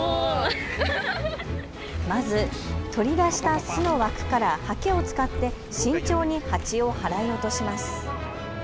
まず取り出した巣の枠からはけを使って慎重にハチを払い落とします。